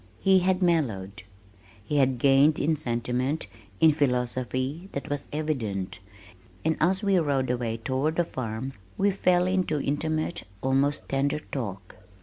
He had mellowed. He had gained in sentiment, in philosophy, that was evident, and as we rode away toward the farm we fell into intimate, almost tender talk.